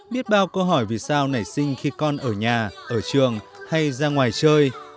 biết bao câu hỏi vì sao nảy sinh khi con ở nhà ở trường hay ra ngoài chơi